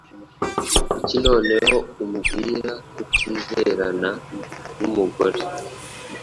Kuki noneho umbwira kutizerana, numugore